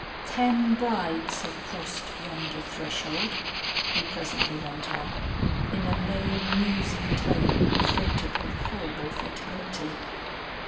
"Ten brides have crossed yonder threshold," he presently went on in a low musing tone freighted with horrible fatality.